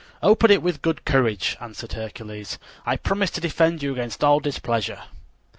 "Open it with good courage," answered Hercules, "I promise to defend you against all displeasure."